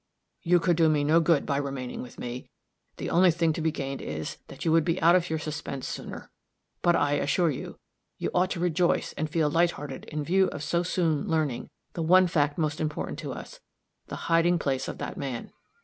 "You could do me no good by remaining with me; the only thing to be gained is, that you would be out of your suspense sooner. But, I assure you, you ought to rejoice and feel light hearted in view of so soon learning the one fact most important to us the hiding place of that man.